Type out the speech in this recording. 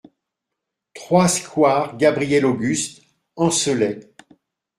trois square Gabriel-Auguste Ancelet